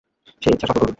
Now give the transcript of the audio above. সেই ইচ্ছা সফল হল না।